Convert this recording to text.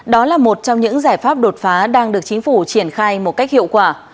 đó là một trong những giải pháp đột phá đang được chính phủ triển khai một cách hiệu quả